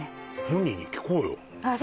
本人に聞こうよあっ